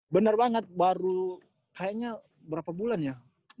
benar banget baru kayaknya berapa bulan ya